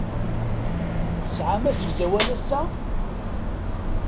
Tesɛam asegzawal ass-a?